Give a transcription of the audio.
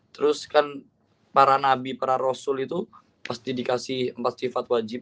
terus kan para nabi para rasul itu pasti dikasih empat sifat wajib